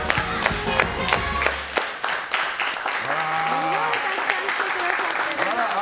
すごいたくさん来てくださってる。